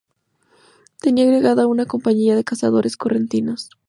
Tenía agregada una compañía de Cazadores Correntinos.